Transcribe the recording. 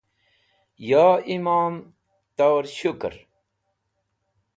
ya imom tar shukr